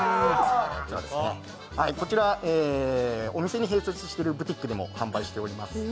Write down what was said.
こちらお店に併設しているブティックでも販売しております。